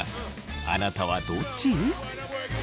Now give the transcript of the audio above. あなたはどっち？